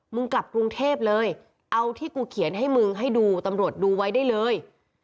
กลับกรุงเทพเลยเอาที่กูเขียนให้มึงให้ดูตำรวจดูไว้ได้เลย